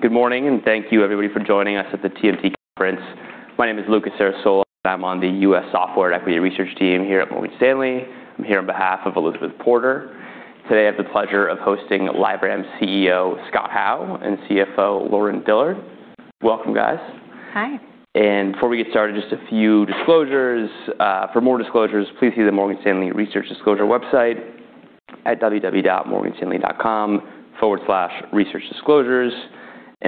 Good morning, thank you everybody for joining us at the TMT conference. My name is Lucas Cerisola, I'm on the U.S. software and equity research team here at Morgan Stanley. I'm here on behalf of Elizabeth Porter. Today, I have the pleasure of hosting LiveRamp CEO, Scott Howe, and CFO, Lauren Dillard. Welcome, guys. Hi. Before we get started, just a few disclosures. For more disclosures, please see the Morgan Stanley research disclosure website at www.morganstanley.com/researchdisclosures.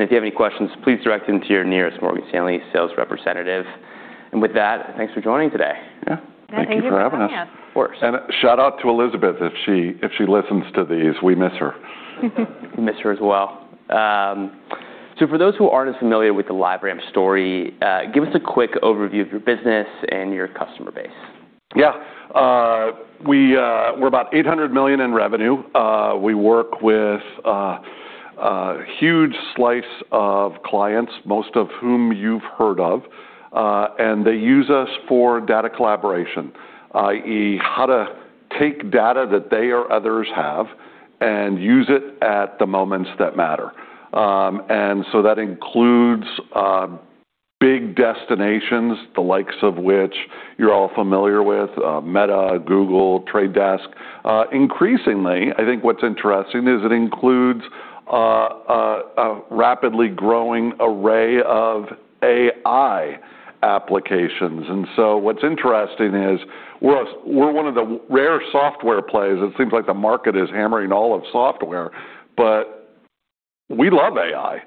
If you have any questions, please direct them to your nearest Morgan Stanley sales representative. With that, thanks for joining today. Yeah. Thank you for having us. Thank you for having us. Of course. Shout out to Elizabeth if she listens to these. We miss her. We miss her as well. For those who aren't as familiar with the LiveRamp story, give us a quick overview of your business and your customer base. Yeah. We're about $800 million in revenue. We work with a huge slice of clients, most of whom you've heard of, they use us for data collaboration, i.e., how to take data that they or others have and use it at the moments that matter. That includes big destinations, the likes of which you're all familiar with, Meta, Google, Trade Desk. Increasingly, I think what's interesting is it includes a rapidly growing array of AI applications. What's interesting is we're one of the rare software players, it seems like the market is hammering all of software, but we love AI,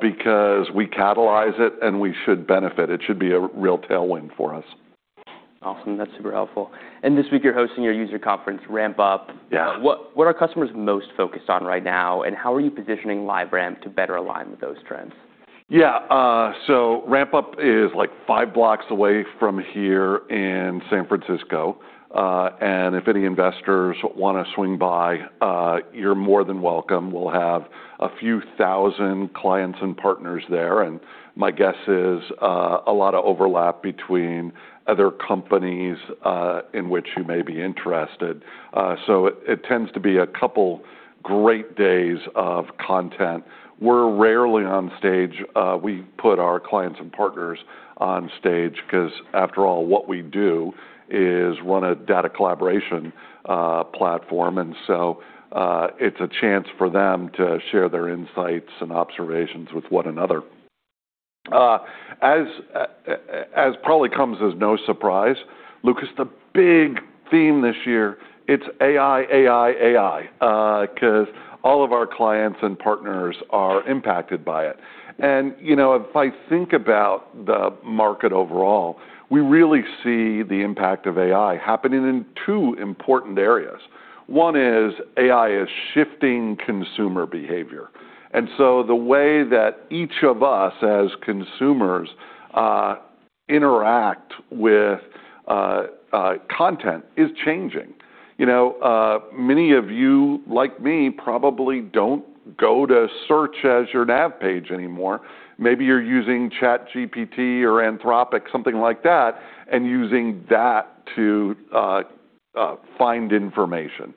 because we catalyze it and we should benefit. It should be a real tailwind for us. Awesome. That's super helpful. This week you're hosting your user conference, RampUp. Yeah. What are customers most focused on right now, and how are you positioning LiveRamp to better align with those trends? RampUp is like five blocks away from here in San Francisco. If any investors wanna swing by, you're more than welcome. We'll have a few thousand clients and partners there, and my guess is a lot of overlap between other companies in which you may be interested. It tends to be a couple great days of content. We're rarely on stage. We put our clients and partners on stage 'cause, after all, what we do is run a data collaboration platform. It's a chance for them to share their insights and observations with one another. As probably comes as no surprise, Lucas, the big theme this year, it's AI, AI, 'cause all of our clients and partners are impacted by it. You know, if I think about the market overall, we really see the impact of AI happening in two important areas. One is AI is shifting consumer behavior. The way that each of us as consumers, interact with content is changing. You know, many of you, like me, probably don't go to search as your nav page anymore. Maybe you're using ChatGPT or Anthropic, something like that, and using that to find information.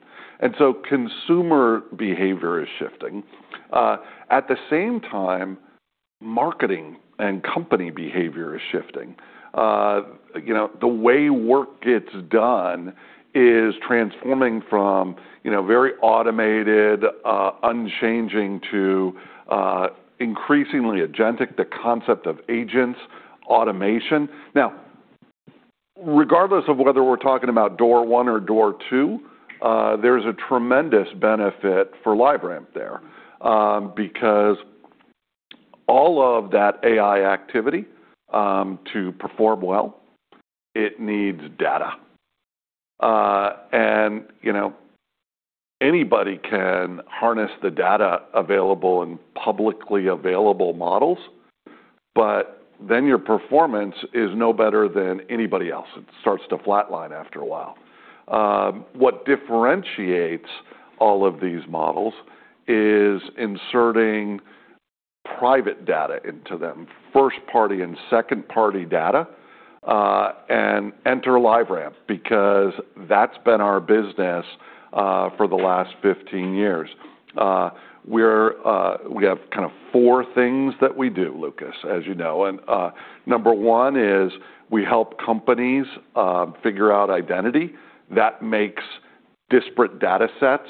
Consumer behavior is shifting. At the same time, marketing and company behavior is shifting. You know, the way work gets done is transforming from, you know, very automated, unchanging to increasingly agentic, the concept of agents, automation. Now, regardless of whether we're talking about door 1 or door 2, there's a tremendous benefit for LiveRamp there, because all of that AI activity, to perform well, it needs data. You know, anybody can harness the data available in publicly available models, but then your performance is no better than anybody else. It starts to flatline after a while. What differentiates all of these models is inserting private data into them, first-party and second-party data, and enter LiveRamp because that's been our business, for the last 15 years. We're, we have kind of four things that we do, Lucas, as you know. Number 1 is we help companies figure out identity that makes disparate datasets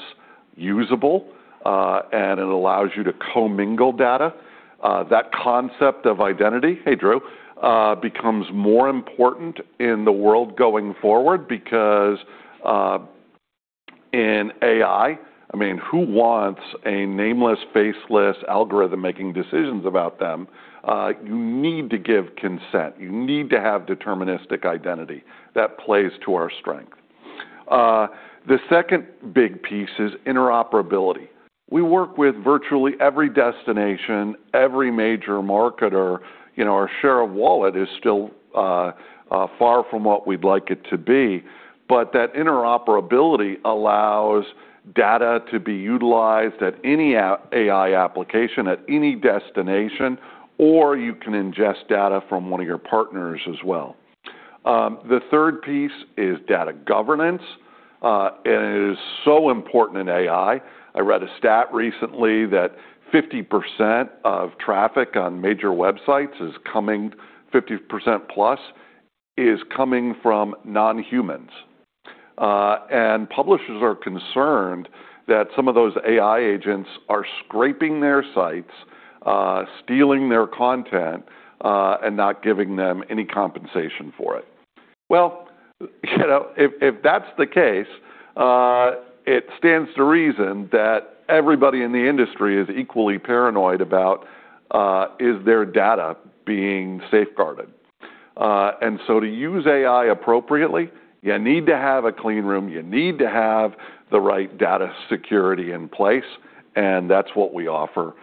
usable, and it allows you to co-mingle data. That concept of identity, hey, Drew, becomes more important in the world going forward because, in AI, I mean, who wants a nameless, faceless algorithm making decisions about them? You need to give consent. You need to have deterministic identity. That plays to our strength. The second big piece is interoperability. We work with virtually every destination, every major marketer. You know, our share of wallet is still far from what we'd like it to be, but that interoperability allows data to be utilized at any AI application, at any destination, or you can ingest data from one of your partners as well. The third piece is data governance. It is so important in AI. I read a stat recently that 50% of traffic on major websites is coming. 50% plus is coming from non-humans. Publishers are concerned that some of those AI agents are scraping their sites, stealing their content, and not giving them any compensation for it. Well, you know, if that's the case, it stands to reason that everybody in the industry is equally paranoid about, is their data being safeguarded. To use AI appropriately, you need to have a clean room, you need to have the right data security in place, and that's what we offer.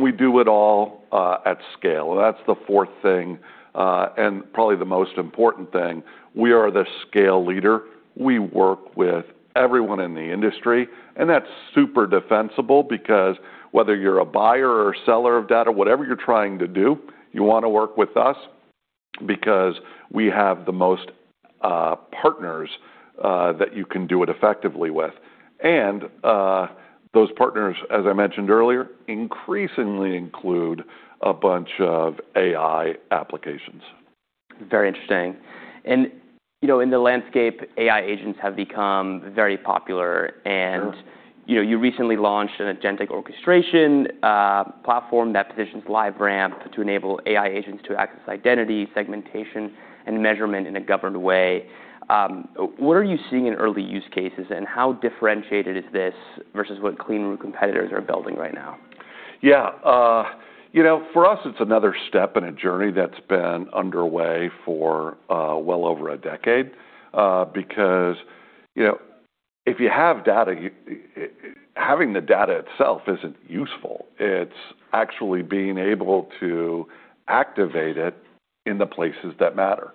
We do it all, at scale. That's the fourth thing, probably the most important thing. We are the scale leader. We work with everyone in the industry, and that's super defensible because whether you're a buyer or seller of data, whatever you're trying to do, you wanna work with us because we have the most partners that you can do it effectively with. Those partners, as I mentioned earlier, increasingly include a bunch of AI applications. Very interesting. you know, in the landscape, AI agents have become very popular. Sure. You know, you recently launched an agentic orchestration platform that positions LiveRamp to enable AI agents to access identity, segmentation, and measurement in a governed way. What are you seeing in early use cases, and how differentiated is this versus what clean room competitors are building right now? Yeah. You know, for us, it's another step in a journey that's been underway for well over a decade, because, you know, if you have data, having the data itself isn't useful. It's actually being able to activate it in the places that matter.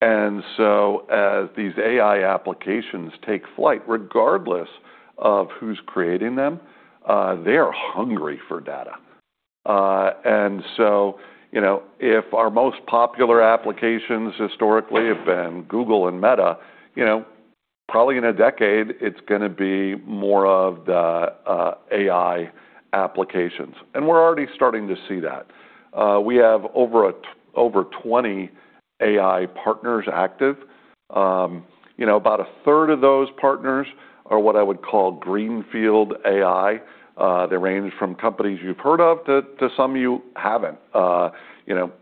As these AI applications take flight, regardless of who's creating them, they are hungry for data. You know, if our most popular applications historically have been Google and Meta, you know, probably in a decade it's gonna be more of the AI applications. We're already starting to see that. We have over 20 AI partners active. You know, about a third of those partners are what I would call greenfield AI. They range from companies you've heard of to some you haven't. You know,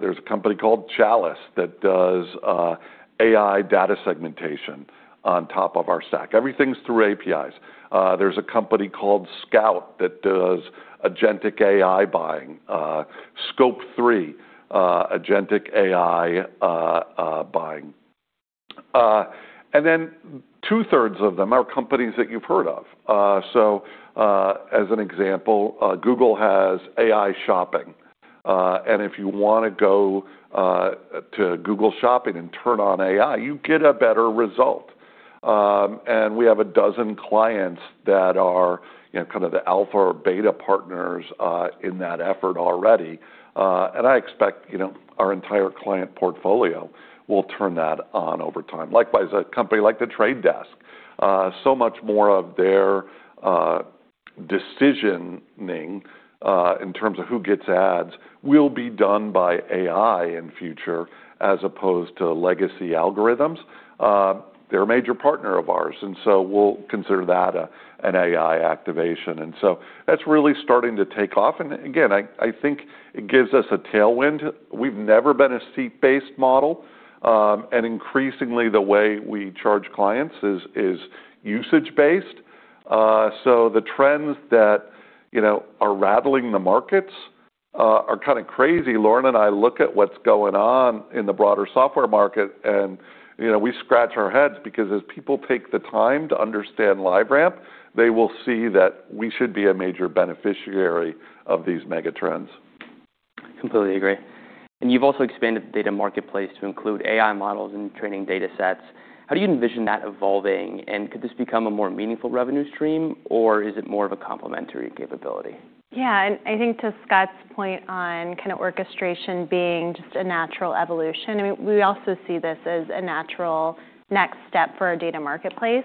there's a company called Chalice that does AI data segmentation on top of our stack. Everything's through APIs. There's a company called Scout that does agentic AI buying, Scope3, agentic AI buying. Two-thirds of them are companies that you've heard of. As an example, Google has AI shopping, if you wanna go to Google Shopping and turn on AI, you get a better result. We have a dozen clients that are, you know, kind of the alpha or beta partners in that effort already. I expect, you know, our entire client portfolio will turn that on over time. Likewise, a company like The Trade Desk, so much more of their decisioning, in terms of who gets ads will be done by AI in future as opposed to legacy algorithms. They're a major partner of ours, and so we'll consider that an AI activation. That's really starting to take off. Again, I think it gives us a tailwind. We've never been a seat-based model, and increasingly the way we charge clients is usage-based. So the trends that, you know, are rattling the markets, are kind of crazy. Lauren and I look at what's going on in the broader software market and, you know, we scratch our heads because as people take the time to understand LiveRamp, they will see that we should be a major beneficiary of these mega trends. Completely agree. You've also expanded the Data Marketplace to include AI models and training data sets. How do you envision that evolving, and could this become a more meaningful revenue stream, or is it more of a complementary capability? Yeah. I think to Scott's point on kind of orchestration being just a natural evolution, I mean, we also see this as a natural next step for our data marketplace.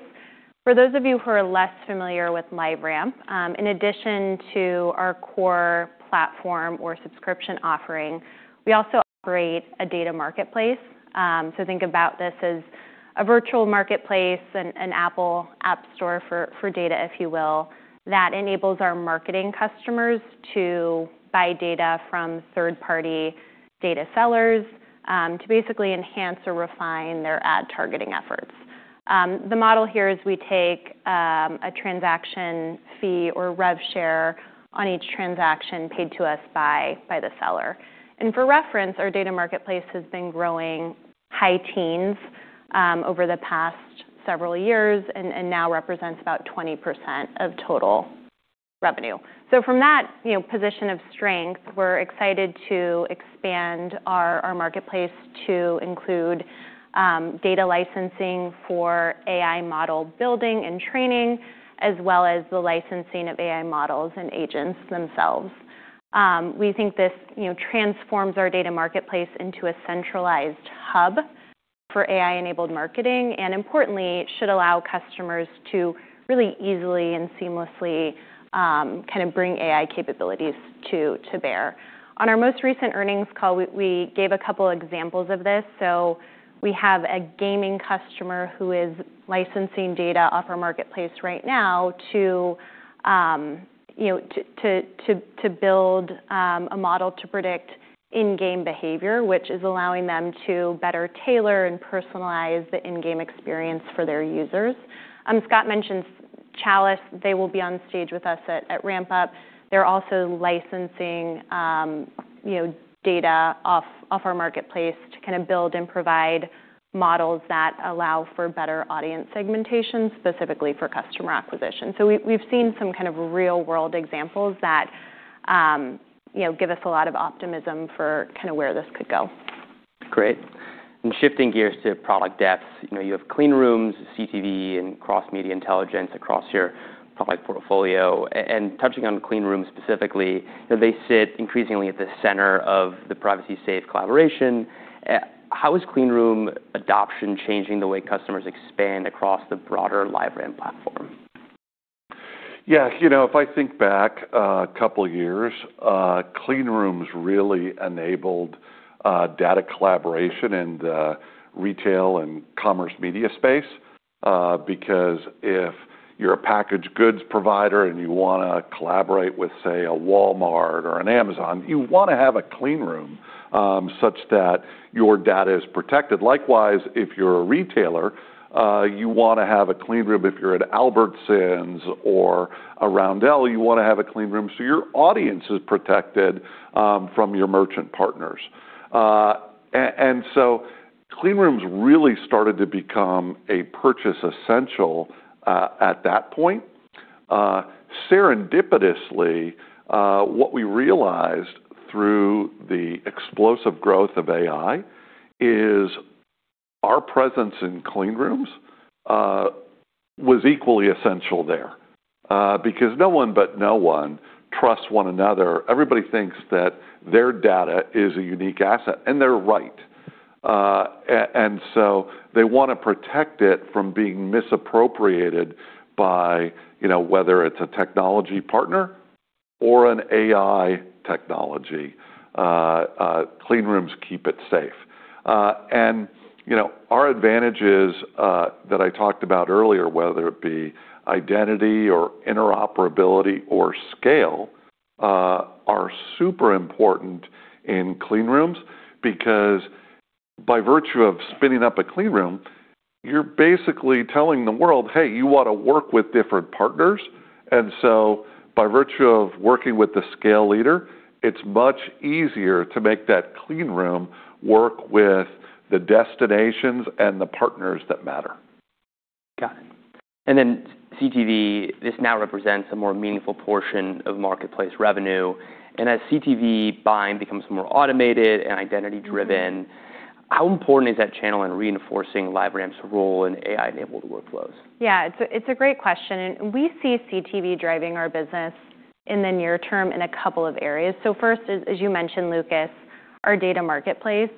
For those of you who are less familiar with LiveRamp, in addition to our core platform or subscription offering, we also operate a data marketplace. Think about this as a virtual marketplace and an Apple App Store for data, if you will, that enables our marketing customers to buy data from third-party data sellers to basically enhance or refine their ad targeting efforts. The model here is we take a transaction fee or rev share on each transaction paid to us by the seller. For reference, our data marketplace has been growing high teens over the past several years and now represents about 20% of total revenue. From that, you know, position of strength, we're excited to expand our Data Marketplace to include data licensing for AI model building and training, as well as the licensing of AI models and agents themselves. We think this, you know, transforms our Data Marketplace into a centralized hub for AI-enabled marketing, and importantly, should allow customers to really easily and seamlessly kind of bring AI capabilities to bear. On our most recent earnings call, we gave a couple examples of this. We have a gaming customer who is licensing data off our Data Marketplace right now to, you know, to build a model to predict in-game behavior, which is allowing them to better tailor and personalize the in-game experience for their users. Scott mentioned Chalice. They will be on stage with us at RampUp. They're also licensing, you know, data off our Marketplace to kinda build and provide models that allow for better audience segmentation, specifically for customer acquisition. We've seen some kind of real-world examples that, you know, give us a lot of optimism for kinda where this could go. Great. Shifting gears to product depth, you know, you have clean rooms, CTV, and Cross-Media Intelligence across your product portfolio. Touching on clean rooms specifically, you know, they sit increasingly at the center of the privacy-safe collaboration. How is clean room adoption changing the way customers expand across the broader LiveRamp platform? Yeah. You know, if I think back a couple years, clean rooms really enabled data collaboration in the retail and commerce media space, because if you're a packaged goods provider and you wanna collaborate with, say, a Walmart or an Amazon, you wanna have a clean room, such that your data is protected. Likewise, if you're a retailer, you wanna have a clean room. If you're at Albertsons or a Roundel, you wanna have a clean room so your audience is protected, from your merchant partners. Clean rooms really started to become a purchase essential at that point. Serendipitously, what we realized through the explosive growth of AI is our presence in clean rooms, was equally essential there, because no one, but no one trusts one another. Everybody thinks that their data is a unique asset, they're right. They wanna protect it from being misappropriated by, you know, whether it's a technology partner or an AI technology. Clean rooms keep it safe. You know, our advantages that I talked about earlier, whether it be identity or interoperability or scale, are super important in clean rooms because by virtue of spinning up a clean room, you're basically telling the world, "Hey, you wanna work with different partners." By virtue of working with the scale leader, it's much easier to make that clean room work with the destinations and the partners that matter. Got it. CTV, this now represents a more meaningful portion of marketplace revenue. As CTV buying becomes more automated and identity-driven, how important is that channel in reinforcing LiveRamp's role in AI-enabled workflows? Yeah, it's a, it's a great question. We see CTV driving our business in the near term in a couple of areas. First is, as you mentioned, Lucas, our Data Marketplace,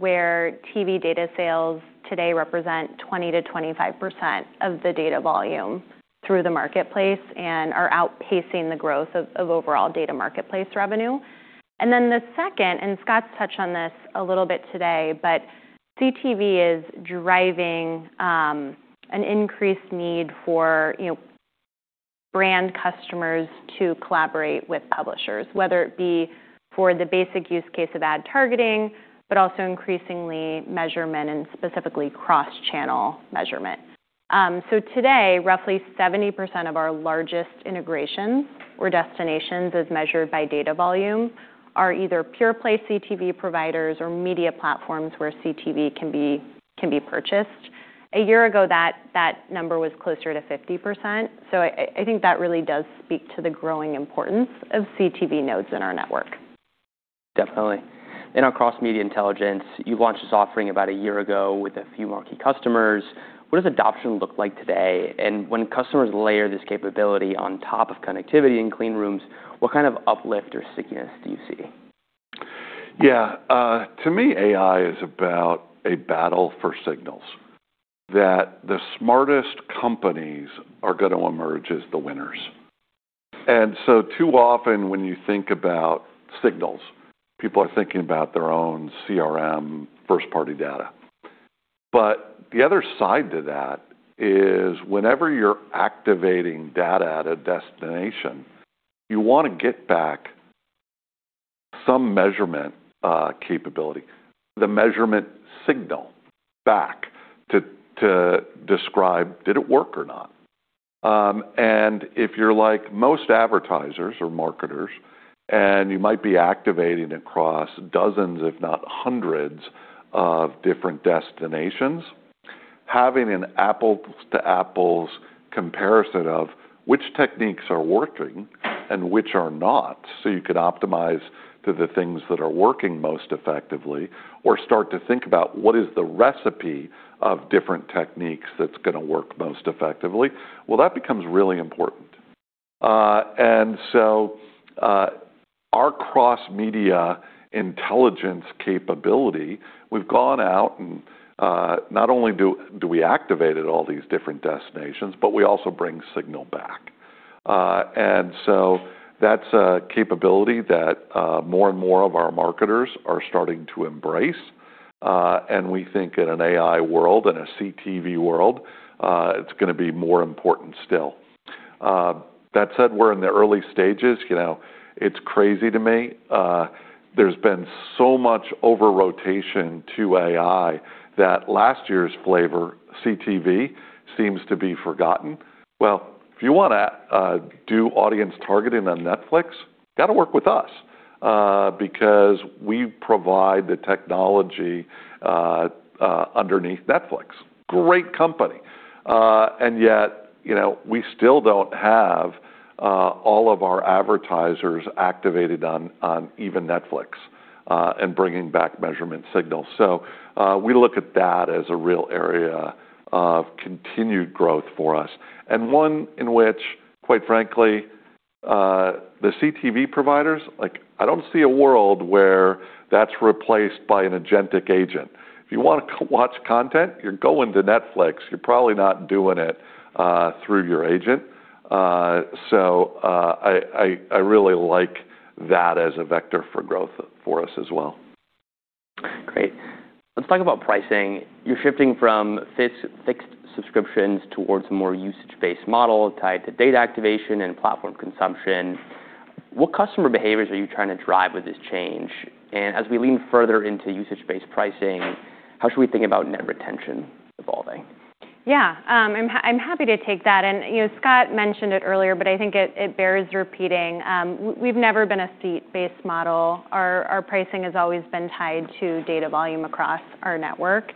where TV data sales today represent 20%-25% of the data volume through the Data Marketplace and are outpacing the growth of overall Data Marketplace revenue. The second, Scott's touched on this a little bit today. CTV is driving an increased need for, you know, brand customers to collaborate with publishers, whether it be for the basic use case of ad targeting, but also increasingly measurement and specifically cross-channel measurement. Today, roughly 70% of our largest integrations or destinations as measured by data volume are either pure play CTV providers or media platforms where CTV can be purchased. A year ago, that number was closer to 50%. I think that really does speak to the growing importance of CTV nodes in our network. Definitely. Our Cross-Media Intelligence, you launched this offering about a year ago with a few more key customers. What does adoption look like today? When customers layer this capability on top of connectivity in clean rooms, what kind of uplift or stickiness do you see? To me, AI is about a battle for signals, that the smartest companies are gonna emerge as the winners. Too often when you think about signals, people are thinking about their own CRM first-party data. The other side to that is whenever you're activating data at a destination, you wanna get back some measurement capability, the measurement signal back to describe did it work or not. If you're like most advertisers or marketers, and you might be activating across dozens, if not hundreds of different destinations. Having an apple to apples comparison of which techniques are working and which are not, so you can optimize to the things that are working most effectively, or start to think about what is the recipe of different techniques that's gonna work most effectively, that becomes really important. Our Cross-Media Intelligence capability, we've gone out and not only do we activate at all these different destinations, but we also bring signal back. That's a capability that more and more of our marketers are starting to embrace. We think in an AI world and a CTV world, it's gonna be more important still. That said, we're in the early stages. You know, it's crazy to me, there's been so much over-rotation to AI that last year's flavor, CTV, seems to be forgotten. Well, if you wanna do audience targeting on Netflix, you gotta work with us, because we provide the technology underneath Netflix. Great company. Yet, you know, we still don't have all of our advertisers activated on even Netflix, and bringing back measurement signals. We look at that as a real area of continued growth for us, and one in which, quite frankly, the CTV providers, like, I don't see a world where that's replaced by an agentic agent. If you wanna watch content, you're going to Netflix. You're probably not doing it through your agent. I really like that as a vector for growth for us as well. Great. Let's talk about pricing. You're shifting from fixed subscriptions towards a more usage-based model tied to data activation and platform consumption. What customer behaviors are you trying to drive with this change? As we lean further into usage-based pricing, how should we think about net retention evolving? Yeah. I'm happy to take that. You know, Scott mentioned it earlier, but I think it bears repeating. We've never been a seat-based model. Our pricing has always been tied to data volume across our network.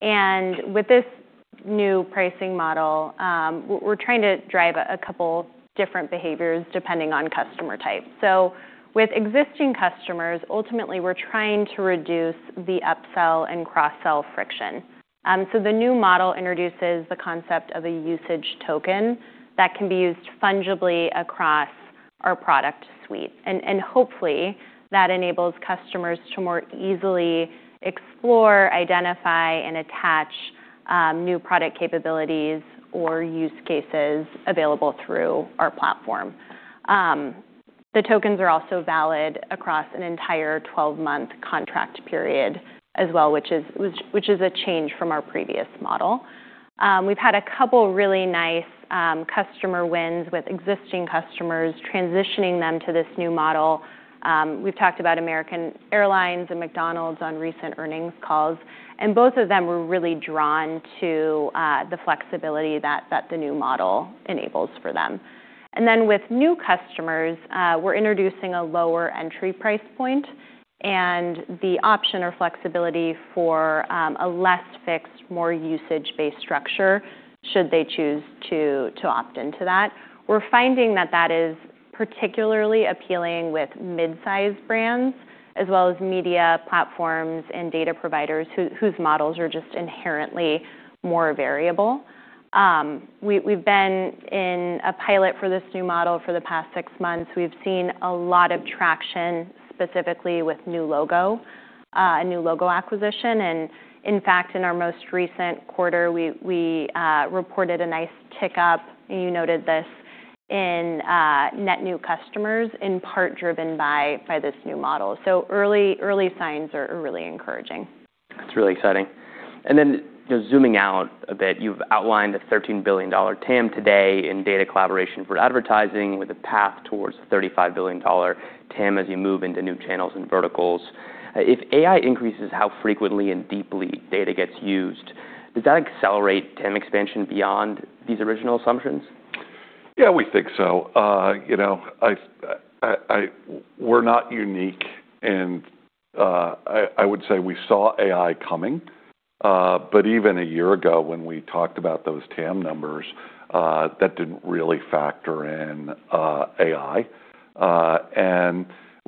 With this new pricing model, we're trying to drive a couple different behaviors depending on customer type. With existing customers, ultimately, we're trying to reduce the upsell and cross-sell friction. The new model introduces the concept of a usage token that can be used fungibly across our product suite. Hopefully that enables customers to more easily explore, identify, and attach new product capabilities or use cases available through our platform. The tokens are also valid across an entire 12-month contract period as well, which is a change from our previous model. We've had a couple really nice customer wins with existing customers, transitioning them to this new model. Both of them were really drawn to the flexibility that the new model enables for them. With new customers, we're introducing a lower entry price point and the option or flexibility for a less fixed, more usage-based structure should they choose to opt into that. We're finding that that is particularly appealing with mid-size brands, as well as media platforms and data providers whose models are just inherently more variable. We've been in a pilot for this new model for the past six months. We've seen a lot of traction, specifically with New Logo acquisition. In fact, in our most recent quarter, we reported a nice tick up, and you noted this, in net new customers, in part driven by this new model. Early signs are really encouraging. That's really exciting. Just zooming out a bit, you've outlined the $13 billion TAM today in data collaboration for advertising with a path towards $35 billion TAM as you move into new channels and verticals. If AI increases how frequently and deeply data gets used, does that accelerate TAM expansion beyond these original assumptions? Yeah, we think so. You know, we're not unique and I would say we saw AI coming, even a year ago when we talked about those TAM numbers, that didn't really factor in AI.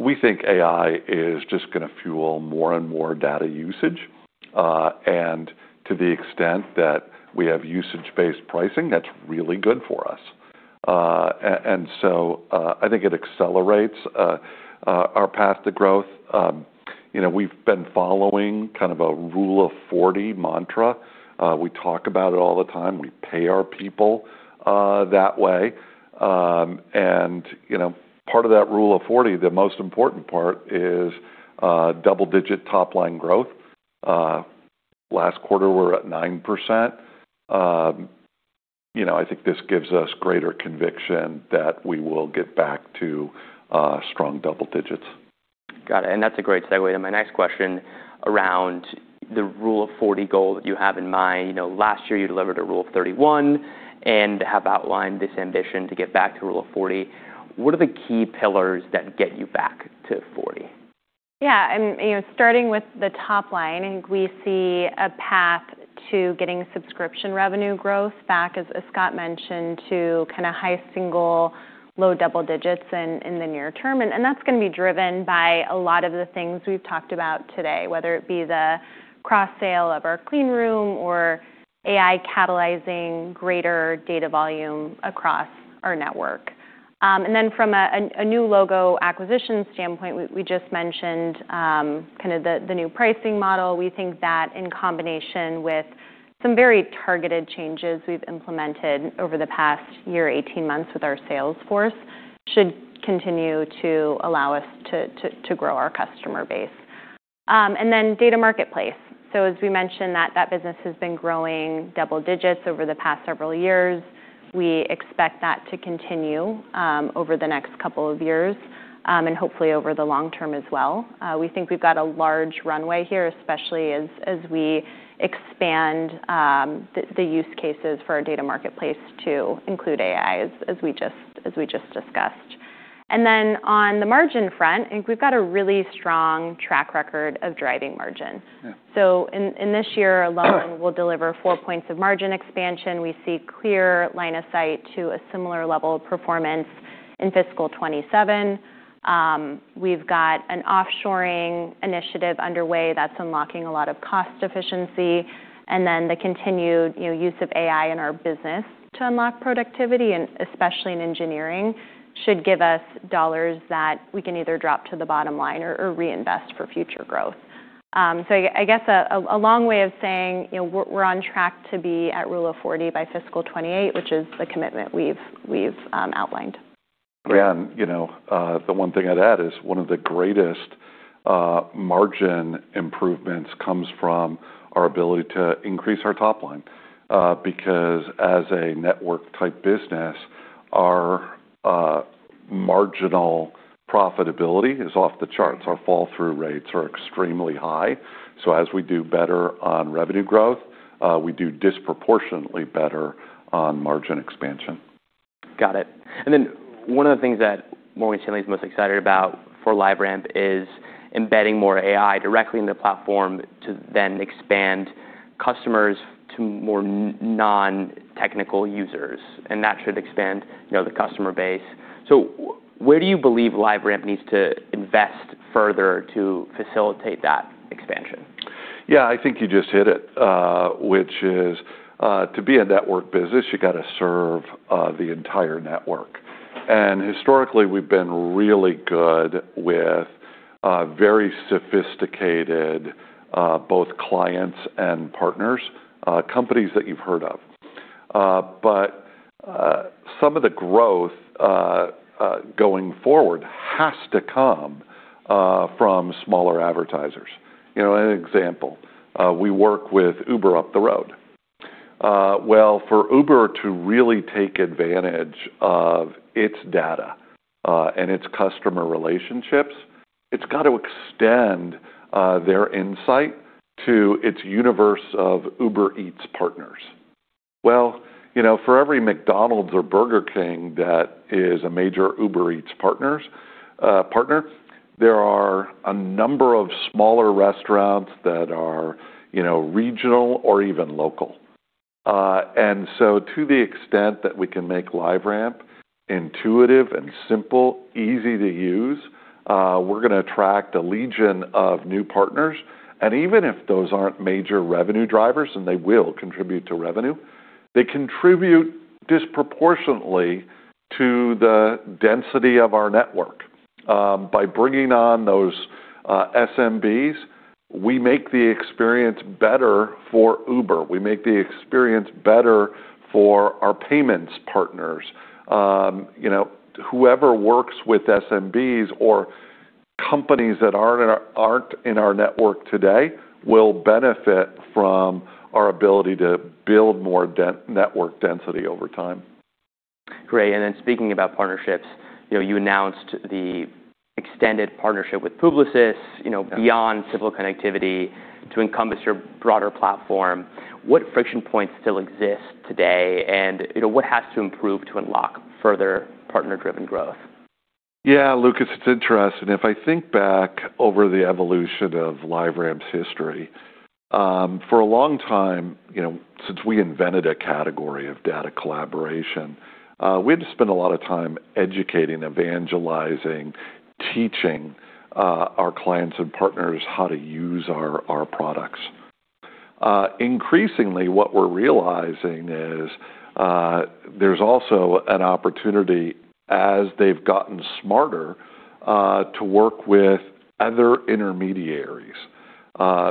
We think AI is just gonna fuel more and more data usage, and to the extent that we have usage-based pricing, that's really good for us. I think it accelerates our path to growth. You know, we've been following kind of a Rule of Forty mantra. We talk about it all the time. We pay our people that way. You know, part of that Rule of Forty, the most important part is double-digit top-line growth. Last quarter, we're at 9%. You know, I think this gives us greater conviction that we will get back to strong double digits. Got it. That's a great segue to my next question around the Rule of 40 goal that you have in mind. You know, last year you delivered a Rule of 31 and have outlined this ambition to get back to Rule of 40. What are the key pillars that get you back to 40? Yeah. you know, starting with the top line, I think we see a path to getting subscription revenue growth back, as Scott mentioned, to kinda high single, low double digits in the near term. That's gonna be driven by a lot of the things we've talked about today, whether it be the cross-sale of our clean room or AI catalyzing greater data volume across our network. From a New Logo acquisition standpoint, we just mentioned kinda the new pricing model. We think that in combination with some very targeted changes we've implemented over the past year, 18 months with our sales force should continue to allow us to grow our customer base. Data Marketplace. As we mentioned that business has been growing double digits over the past several years. We expect that to continue over the next couple of years and hopefully over the long term as well. We think we've got a large runway here, especially as we expand the use cases for our Data Marketplace to include AI as we just discussed. Then on the margin front, I think we've got a really strong track record of driving margin. Yeah. In this year alone, we'll deliver four points of margin expansion. We see clear line of sight to a similar level of performance in fiscal '27. We've got an offshoring initiative underway that's unlocking a lot of cost efficiency, and then the continued, you know, use of AI in our business to unlock productivity, and especially in engineering, should give us dollars that we can either drop to the bottom line or reinvest for future growth. I guess a long way of saying, you know, we're on track to be at Rule of 40 by fiscal '28, which is the commitment we've outlined. Yeah. You know, the one thing I'd add is one of the greatest margin improvements comes from our ability to increase our top line, because as a network type business, our marginal profitability is off the charts. Our fall through rates are extremely high. As we do better on revenue growth, we do disproportionately better on margin expansion. Got it. One of the things that Morgan Stanley is most excited about for LiveRamp is embedding more AI directly in the platform to then expand customers to more non-technical users, and that should expand, you know, the customer base. Where do you believe LiveRamp needs to invest further to facilitate that expansion? Yeah, I think you just hit it, which is, to be a network business, you gotta serve the entire network. Historically, we've been really good with very sophisticated both clients and partners, companies that you've heard of. Some of the growth going forward has to come from smaller advertisers. You know, an example, we work with Uber up the road. Well, for Uber to really take advantage of its data and its customer relationships, it's got to extend their insight to its universe of Uber Eats partners. Well, you know, for every McDonald's or Burger King that is a major Uber Eats partner, there are a number of smaller restaurants that are, you know, regional or even local. To the extent that we can make LiveRamp intuitive and simple, easy to use, we're gonna attract a legion of new partners. Even if those aren't major revenue drivers, and they will contribute to revenue, they contribute disproportionately to the density of our network. By bringing on those SMBs, we make the experience better for Uber. We make the experience better for our payments partners. you know, whoever works with SMBs or companies that aren't in our network today will benefit from our ability to build more network density over time. Great. Then speaking about partnerships, you know, you announced the extended partnership with Publicis, you know. Yeah Beyond simple connectivity to encompass your broader platform. What friction points still exist today? You know, what has to improve to unlock further partner-driven growth? Yeah, Lucas, it's interesting. If I think back over the evolution of LiveRamp's history, for a long time, you know, since we invented a category of data collaboration, we had to spend a lot of time educating, evangelizing, teaching, our clients and partners how to use our products. Increasingly, what we're realizing is, there's also an opportunity as they've gotten smarter, to work with other intermediaries,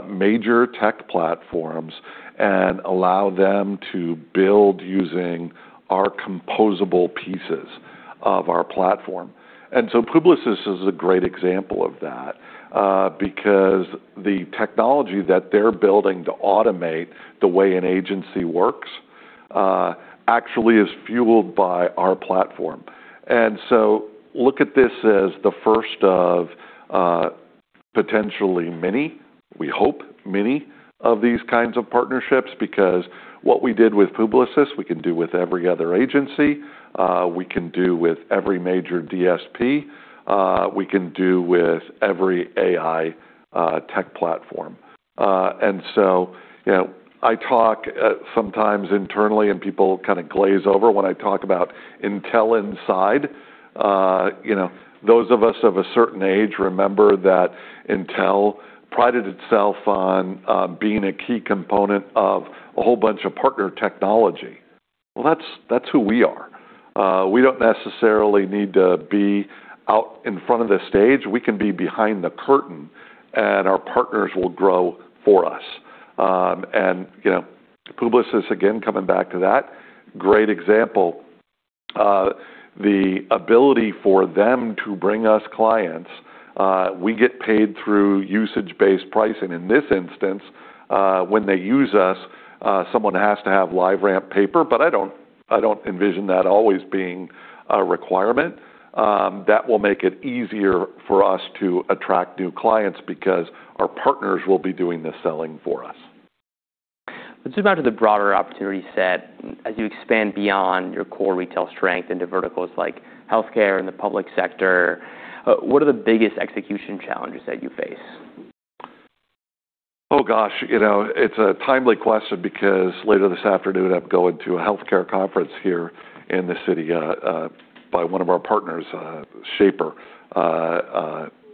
major tech platforms and allow them to build using our composable pieces of our platform. Publicis is a great example of that, because the technology that they're building to automate the way an agency works, actually is fueled by our platform. Look at this as the first of, potentially many, we hope many of these kinds of partnerships, because what we did with Publicis, we can do with every other agency, we can do with every major DSP, we can do with every AI tech platform. You know, I talk sometimes internally, and people kinda glaze over when I talk about Intel Inside. You know, those of us of a certain age remember that Intel prided itself on being a key component of a whole bunch of partner technology. Well, that's who we are. We don't necessarily need to be out in front of the stage. We can be behind the curtain, and our partners will grow for us. You know, Publicis, again, coming back to that, great example. The ability for them to bring us clients, we get paid through usage-based pricing in this instance, when they use us. Someone has to have LiveRamp paper, but I don't envision that always being a requirement. That will make it easier for us to attract new clients because our partners will be doing the selling for us. Let's zoom out to the broader opportunity set as you expand beyond your core retail strength into verticals like healthcare and the public sector. What are the biggest execution challenges that you face? Oh, gosh, you know, it's a timely question because later this afternoon, I'm going to a healthcare conference here in the city, by one of our partners, Shaper,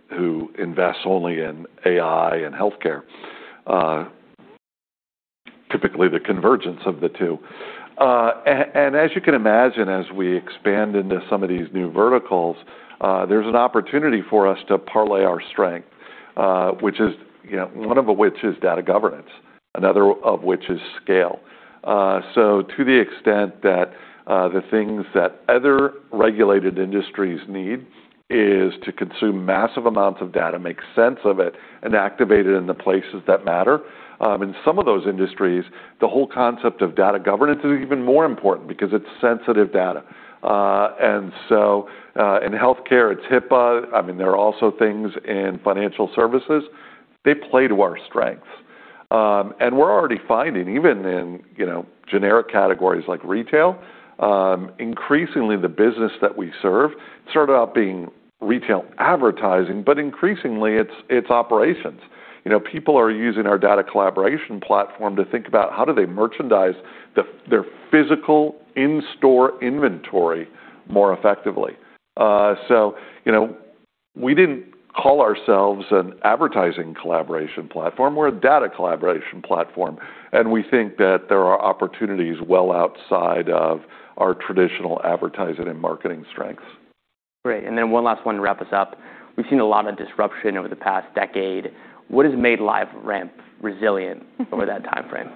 who invests only in AI and healthcare, typically the convergence of the two. As you can imagine, as we expand into some of these new verticals, there's an opportunity for us to parlay our strength, which is, you know, one of which is data governance, another of which is scale. To the extent that the things that other regulated industries need is to consume massive amounts of data, make sense of it, and activate it in the places that matter. In some of those industries, the whole concept of data governance is even more important because it's sensitive data. In healthcare, it's HIPAA. I mean, there are also things in financial services. They play to our strengths. We're already finding, even in, you know, generic categories like retail, increasingly the business that we serve started out being retail advertising, but increasingly it's operations. You know, people are using our data collaboration platform to think about how do they merchandise their physical in-store inventory more effectively. You know, we didn't call ourselves an advertising collaboration platform. We're a data collaboration platform, and we think that there are opportunities well outside of our traditional advertising and marketing strengths. Great. One last one to wrap us up. We've seen a lot of disruption over the past decade. What has made LiveRamp resilient over that timeframe?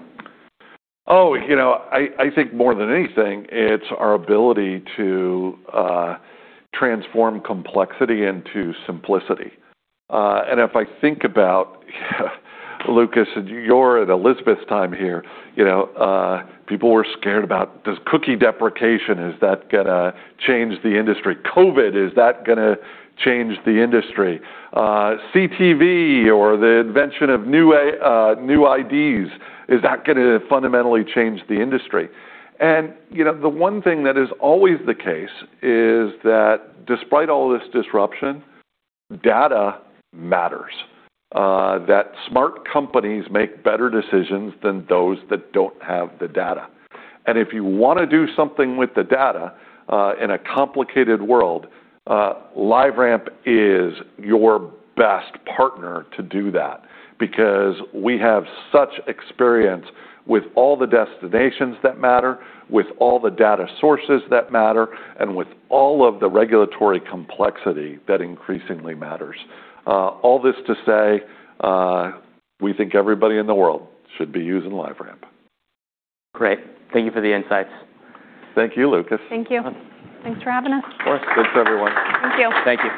You know, I think more than anything it's our ability to transform complexity into simplicity. If I think about, Lucas and your and Elizabeth's time here, you know, people were scared about this cookie deprecation, is that gonna change the industry? COVID, is that gonna change the industry? CTV or the invention of new IDs, is that gonna fundamentally change the industry? You know, the one thing that is always the case is that despite all this disruption, data matters, that smart companies make better decisions than those that don't have the data. If you wanna do something with the data, in a complicated world, LiveRamp is your best partner to do that because we have such experience with all the destinations that matter, with all the data sources that matter, and with all of the regulatory complexity that increasingly matters. All this to say, we think everybody in the world should be using LiveRamp. Great. Thank you for the insights. Thank you, Lucas. Thank you. Thanks for having us. Of course. Thanks, everyone. Thank you. Thank you.